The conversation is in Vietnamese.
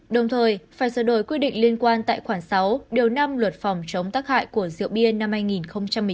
đồng thời phải sửa đổi quy định liên quan tại khoảng sáu điều năm luật phòng chống tác hại của rượu bia năm hai nghìn một mươi sáu